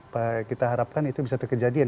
kita harapkan itu bisa terkejadian